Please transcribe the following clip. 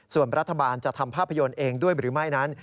ส่วนรัฐบาลจะทำภาพยนตร์เองด้วยหรือไม่นั้น